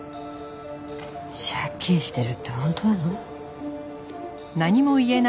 借金してるって本当なの？